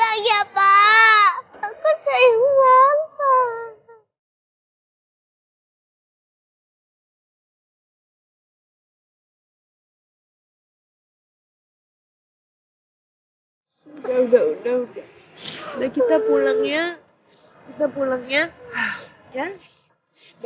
assalamualaikum warahmatullahi wabarakatuh